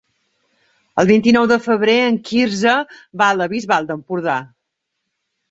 El vint-i-nou de febrer en Quirze va a la Bisbal d'Empordà.